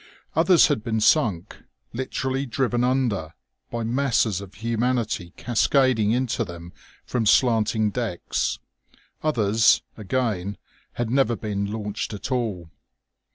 Others had been sunk literally driven under by masses of humanity cascading into them from slanting decks. Others, again, had never been launched at all.